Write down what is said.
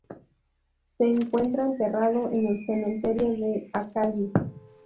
Se encuentra enterrado en el cementerio de Akagi.